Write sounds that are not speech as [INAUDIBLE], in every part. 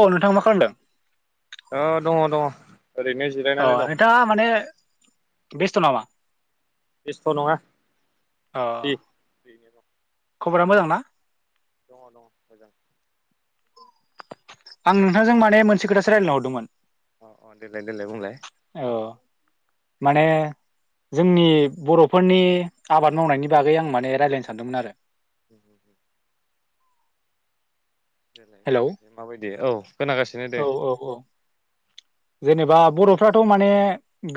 औ नोंथाङा मा खालामदों औ दङ दङ ओरैनो अ जिरायनानै दं नोंथाङा माने बेसथ' नामा बेस्थ' नङा अ दे बेनो र' खबरा मोजां ना दङ दङ मोजां आं नोंथांजों माने मोनसे खोथासो रायज्लायनो हरदोंमोन अ अ देलाय देलाय बुंलाय औ माने जोंनि बर'फोरनि आबाद मावनायनि बागै आं माने रायजलायनो सानदोंमोन आरो [UNINTELLIGIBLE] देलाय हेलौ बुंनायसाय माबायदि औ खोनागासिनो औ दे औ [UNINTELLIGIBLE] जेनेबा बर'फ्राथ' माने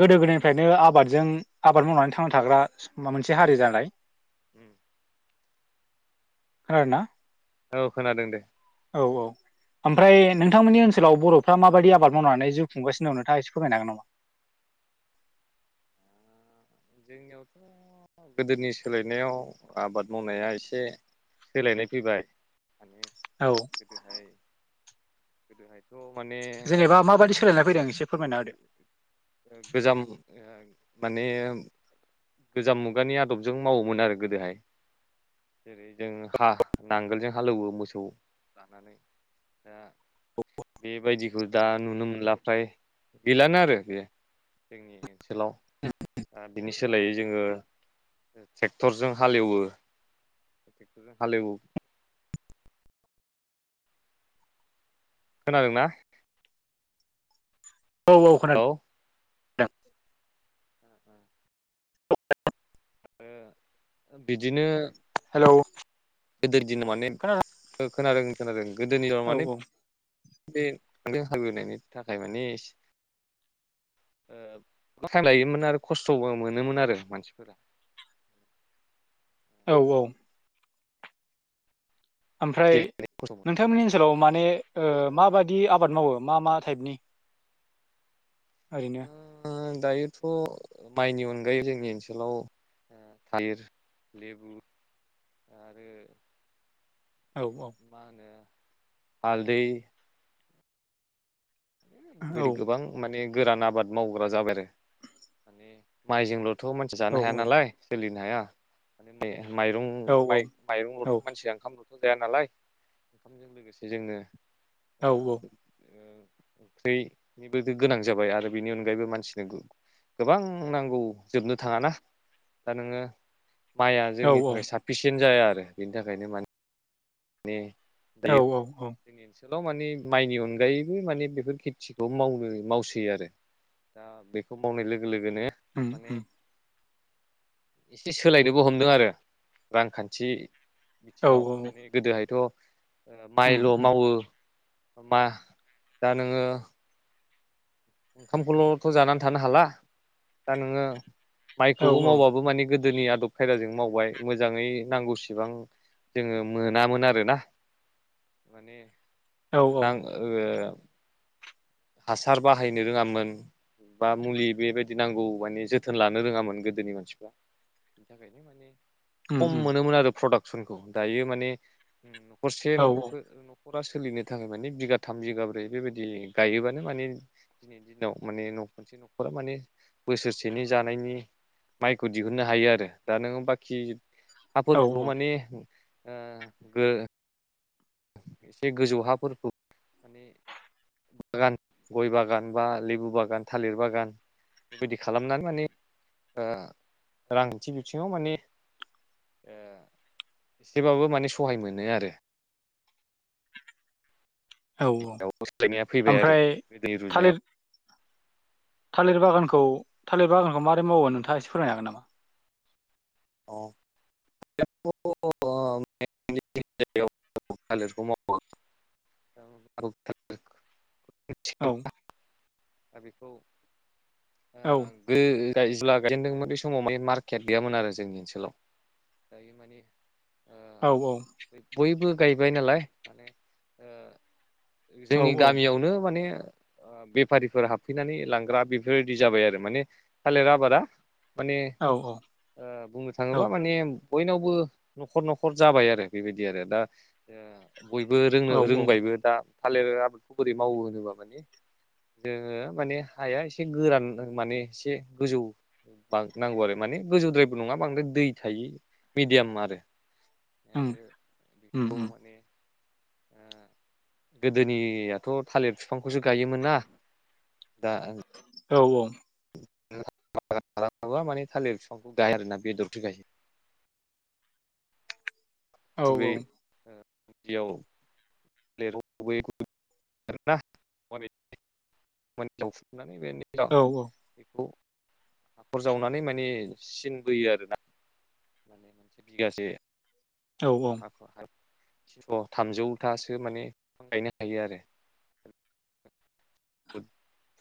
गोदो गोदायनिफ्रायनो आबादजों आबाद मावनानै थांना थाग्रा माबा मोनसे उम हारि जालाय उम खोनादोंना औ खोनादों दे औ औ ओमफ्राय नोंथांमोननि ओनसोलाव बर'फ्रा माबायदि आबाद मावनानै जिउ खुंगासिनो नोंथाङा एसे फोरमायनो हागोन नामा [UNINTELLIGIBLE] जोंनियावथ' गोदोनि सोलायनायाव आबाद मावनाया एसे सोलायनाय फैबाय माने औ गोदोहाय गोदोहाय थ' माने जेनेबा माबायदि ओ सोलायनाय फैदों एसे फोरमायना होदो ओ गोजाम ओ माने गोजाम मुगानि आदबजों मावोमोन आरो गोदोहाय जेरै जों हा नांगोलजों हालएवो मोसौ लानानै दा बेबायदिखौ दा नुनो मोनला फ्राय गैलानो आरो बेयो जोंनि ओनसोलाव ओ बिनि सोलायै जोङो ट्रेक्टरजों हालएवो ट्रेक्टरजों हालएवो खोनादोंना औ औ खोनादों [INAUDIBLE] आरो बिदिनो हेलौ गोदोनि दिनाव माने खोनादों खोनादों खोनादों गोदोनिआव औ माने बे [INAUDIBLE] जों हालएवनायनि थाखाय माने ओ टाइम लायोमोन आरो खस्थ'बो मोनोमोन आरो मानसिफोरा औ औ ओमफ्राय खस्थ' मोनो नोंथांमोननि आरो ओनसोलाव माने ओ माबादि आबाद मावो मा मा टाइपनि ओरैनो ओ दायोथ' माइनि अनगायै जोंनि ओनसोलाव थालिर लेबु आरो औ मा होनो हालदै औ बायदि गोबां माने गोरान आबाद मावग्रा जाबाय आरो माने माइजोंल' थ' मानसि औ जानो हाया नालाय सोलिनो हाया माने माइरं औ औ औ माइ-माइरंल'थ' मानसिया ओंखाम ल' जाया नालाय ओंखामजों लोगोसे जोंनो [INAUDIBLE] औ ओंख्रिनिबो गोनां जाबाय आरो बेनि अनगायैबो मानसिनो गोबां नांगौ जोबनो थाङाना दा नोङो माइया औ जोंनि थाखाय साफिसियेन्ट जाया आरो बेनि थाखायनो माने ने। औ औ औ। आनसोलाव माने माइनि अनगायैबो माने बेफोर खेथिखौ मावनो मावसै आरो। दा बेखौ मावनाय लोगो लोगोनो उम माने उम एसे सोलायनोबो हमदों आरो रांखान्थि औ बिथिङाव माने गोदोहायथ' उम माइल' उम मावो। मा दा नोङो ओंखामखौल'थ' जानानै थानो हाला दा नोङो औ माइखौबो मावबाबो माने गो गोदोनि आदब खायदाजों मावबाय मोजाङै नांगौसिबां जोङो मोनामोन आरोना माने औ औ नां ओ हासार बाहायनो रोङामोन बा मुलि बेबायदि नांगौ माने जोथोन लानो रोङामोन गोदोनि मानसिफ्रा। बेनि थाखाय नो माने उम खम उम मोनोमोन आरो प्रडाक्सनखौ दायो माने न'खरसे औ [UNINTELLIGIBLE] न'खरा सोलिनो थाखाय माने बिगाथाम बिगाब्रै बेबायदि गायोबानो माने दिनैनि दिनाव माने न' खनसे न'खरा माने बोसोरसेनि जानायनि माइखौ दिहुननो हायो आरो दा नोङो बाखि औ हाफोरखौ माने ओ गो एसे गोजौ हाफोरखौ माने बागान गय बागान बा लेबु बागान थालिर बागान बेबायदि खालामनानै माने ओ रांखान्थि बिथिङाव माने ओ एसेबाबो माने सहाय मोनो आरो। [UNINTELLIGIBLE] औ औ [UNINTELLIGIBLE] सोलायनाया फैबाय आरो ओमफ्राय गोदो थालिर रुजुनायाव। थालिर बागानखौ थालिर बागानखौ मारै मावो नोंथाङा एसे फोरमायनो हागोन नामा? अ [UNINTELLIGIBLE] [UNINTELLIGIBLE] औ। दा बेखौ ओ औ गो [UNINTELLIGIBLE] गायजेनदोंमोन बे समाव माने मार्केट गैयामोन आरो जोंनि ओनसोलाव दायो माने ओ औ औ। बयबो गायबाय नालाय माने ओ औ जोंनि गामियावनो माने ओ बेफारिफोर हाबफैनानै लांग्रा बेफोरबायदि जाबाय आरो माने थालिर आबादा माने औ ओ बुंनो थाङोबा माने बयनावबो न'खर न'खर जाबाय आरो बेबायदि आरो दा ओ बयबो रोंनो औ औ रोंबायबो दा थालिर आबादखौ बोरै मावो होनोबा माने जोङो माने हाया एसे गोरान माने एसे गोजौ बां नांगौ आरो माने गोजौद्रायबो नङा बांद्राय दै थायो मिडियाम आरो। उम आरो उम बेखौ उम माने ओ गोदोनियाथ' थालिर बिफांखौसो गायोमोन ना। दा औ औ। [UNINTELLIGIBLE] थालिर बागान खालामोबा माने थालिर बिफांखौ गाय आरोना बेदरथो गायो। औ फुगै। बियाव [UNINTELLIGIBLE] [UNINTELLIGIBLE] औ हाखर जावनानै माने सिन बोयो आरोना। माने मोनसे बिगासे औ हाखौ हाय [UNINTELLIGIBLE] थामजौथासो माने बिफां गायनो हायो आरो। [UNINTELLIGIBLE] फु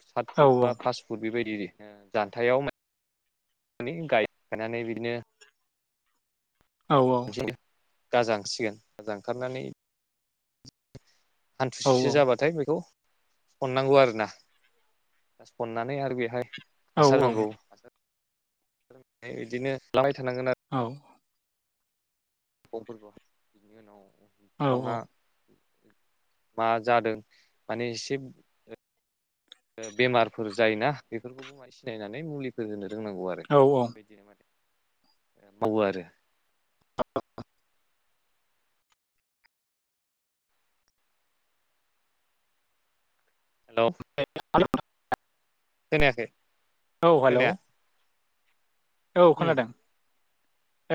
सात औ फुट बा पास फुट बेबायदि जान्थायाव माने गायखानानै बिदिनो औ औ। गाजांसिगोन गाजां ओंखारनानै औ हान्थुसेसो जाबाथाय बेखौ सननांगौ आरोना सननानै आरो बेहाय औ हासार नांगौ हासार [UNINTELLIGIBLE] बिदिनो लाबाय थानांगोन आरो। औ अ' फोरबो बिनि उनाव बिफाङा मा जादों माने एसे बेमारफोर जायोना बेफोरखौबो माय सिनायनानै मुलिफोर होनो रोंनांगौ आरो औ बेबायदिनो माने मावो आरो। [UNINTELLIGIBLE] हेल'। [UNINTELLIGIBLE] थोनायाखै। औ हेलौ। औ उम खोनादों।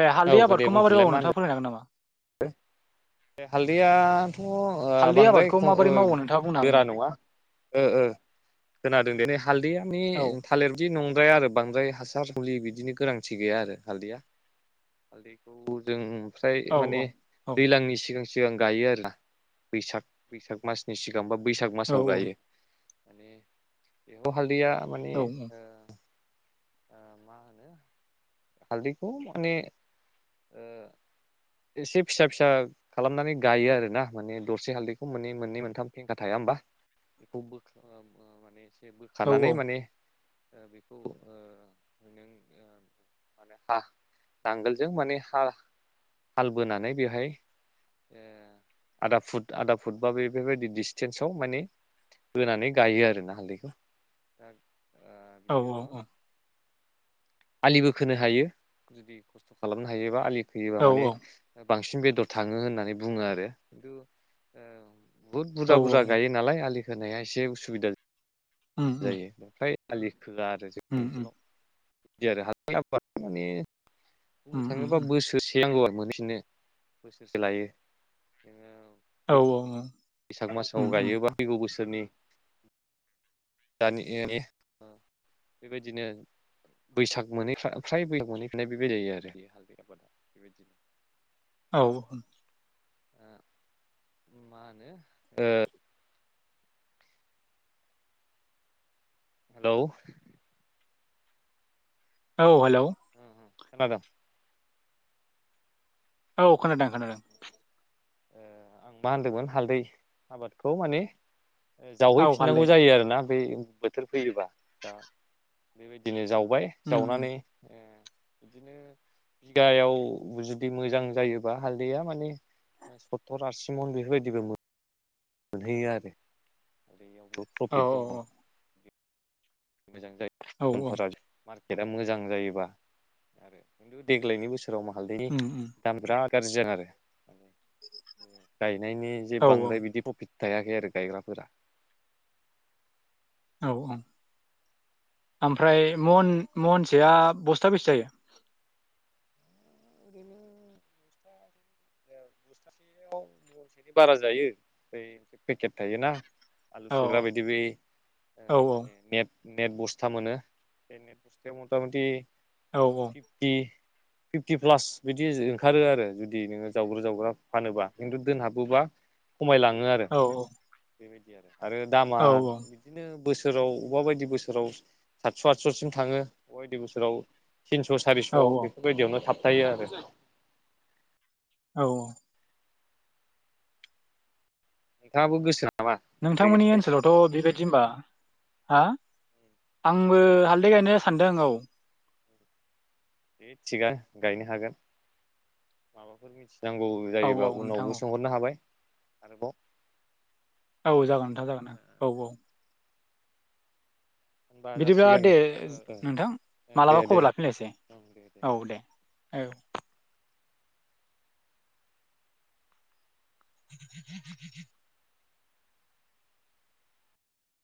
ए हालदै आबादखौ माबोरैबो नोंथाङा फराय हागोन नामा? हो बे हालदैयाथ' ओ हालदै बांद्राय आबादखौ ख ओ माबोरै मावो नोंथाङा बुंनो हागोन गोरा नामा नङा। ओ ओ खोनादों दे नै हालदैयाानि औ थालिरदि नं बांद्राया आरो बांद्राय हासार मुलि बिदिनो गोनांथि गैया आरो हालदैया। हालदैखौ जों ओमफ्राय औ माने औ दैज्लांनि सिगां सिगां गायो आरोना बैसाग बैसाग मासनि सि सिगांबा बैसाग औ मासाव गायो माने बेयाव हालदैया थारमाने। औ ओ मा होनो हालदैखौ माने ओ। एसे फिसा फिसा खालामनानै गायो आरो ना माने दरसे हालदैखौ मोनाने मोननै मोनथाम फेंखा थाया। होनबा बेखौ माने एसे बोखानानै औ माने बेखौ [INAUDIBLE] म ह नांगोलजों माने हा हाल बोनानै बेवहाय आदा फुट आदा फुट बा बेफोरबायदि डिसटेन्सआव माने। होनानै गायो आरो ना हालदैखौ औ बिनि औ उनाव औ। आलिबो खोनो हायो जुदि खस्थ' खालामनो हायोबा आलि खोयोबा औ माने बांसिन बेदर थाङो होननानै बुङो आरो खिन्थु ओ बुहुत औ बुरजा बुरजा औ गायो नालाय आलि खोनाया एसे उसुबिदा। उम उम जायो ओमफ्राय आलि खोजआ आरो जोंनि उम उम ओनसोलाव बिदि आरो हास माने बुंनो उम उम थाङोबा उम बोसोरसे थांगांगौ मोनफिनो बोसोरसे लायो नोङो। औ -औ -औ बैसाग मासाव उम उम गायोबा फैगौ बोसोरनि [UNINTELLIGIBLE] दानि बेबायदिनो बैसाग मोनहैफ फ्राय बैसाग मोनै फिनाय बेबायदि जायो आरो बे हालदै आबादा बेबायदिनो औ मा होनो ओ हेलौ औ हेल' खोनादों औ खोनादों- खोनादों ओ आं मा होनदोंमोन हालदै आबादखौ माने औ जावहैफिननांगौ हालदै जायो आरो ना बे बोथोर फैयोबा दा बेबायदिनो जाव जावबाय उम उम जावनानै ओं बिदिनो बिगायाव जुदि मोजां जायोबा हालदैया माने सत्तुर आरसि मन बेफोरबायदिबो मोनो मोनहैयो आरो आरो इयावबो औ प्रफिट औ दङ मोजां औ औ जायोफोरा मार्केटआ मोजां जायोबा आरो खिन्थु देग्लायनि बोसोराव सोरोेराव म हालदैनि उम उम दाम बिराद गाज्रि जादों आरो जायो गायनायनि जे औ बांद्राय बिदि प्रफिट थायाखै आरो गायग्राफोरा औ - औ ओमफ्राय मन महनसेया बस्था बेसे जायो ओरैनो बस्थासेयाव महनसेनि बारा जायो से पेकेट थायोना आलु सोग्रा औ बायदि बै औ मा होनो नेट नेट बस्था मोनो बे नेट बस्थायाव मथा मथि औ फिफटि फिफटि प्लास बिदि ओंखारो आरो जुदि नोङो जावग्रो- जावग्रा फानोब्ला खिन्थु दोनहाबोबा खमायलाङो आरो औ बेबायदि आरो आरो दामा औ बिदिनो बोसोराव अबेबा बायदि बोसोराव सातस' आदस'सिम थाङो अबेबा बायदि बोसोराव थिनस' सारिस' औ बेफोरबायदियावनो थाबथायो आरो औ नोंथांहाबो गोसो नामा बे नोंथांमोननि ओनसोलावथ' बेबायदि होनबा हा आंबो हालदै गायनो सानदों औ दे थिगानो गायनो हागोन नांगौ औ जायोबा औ नोंथां उनावबो औ सोंहरनो हाबाय आरोबाव औ जागोन नोंथा जागोन औ -औ होनबा बिदिब्ला जासिगोन दे ओ ओ नोंथां दे मालाबा दे खबर लाफिननोसै ओं दे जागोन औ दे औ [UNINTELLIGIBLE]